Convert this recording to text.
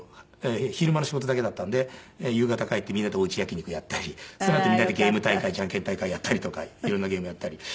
昼間の仕事だけだったんで夕方帰ってみんなでお家焼き肉やったりそのあとみんなでゲーム大会ジャンケン大会やったりとか色んなゲームをやったり。